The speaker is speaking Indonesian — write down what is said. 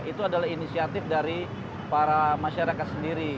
itu adalah inisiatif dari para masyarakat sendiri